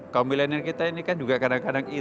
kaum milenial kita ini kan juga kadang kadang